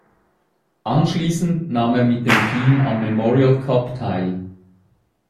Anschließend nahm er mit dem Team am Memorial Cup teil.